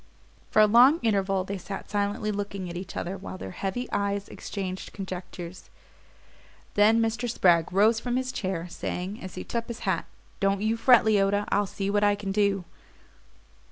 For a long interval they sat silently looking at each other while their heavy eyes exchanged conjectures: then Mr. Spragg rose from his chair, saying, as he took up his hat: "Don't you fret, Leota; I'll see what I can do."